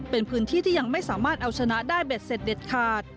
เป็นพื้นที่ที่ยังไม่สามารถเอาชนะได้เบ็ดเสร็จเด็ดขาด